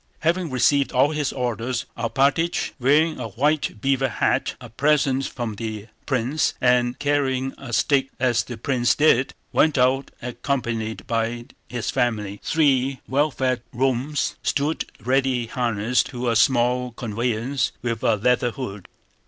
Having received all his orders Alpátych, wearing a white beaver hat—a present from the prince—and carrying a stick as the prince did, went out accompanied by his family. Three well fed roans stood ready harnessed to a small conveyance with a leather hood.